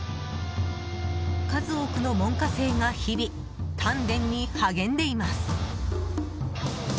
数多くの門下生が日々、鍛錬に励んでいます。